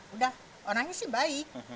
udah orangnya sih baik